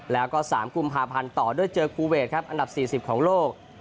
แล้วก็๓กุมภาพันธ์ต่อด้วยเจอคูเวทครับอันดับ๔๐ของโลก